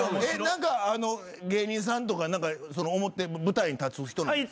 何か芸人さんとか表舞台に立つ人なんですか？